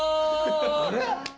あれ？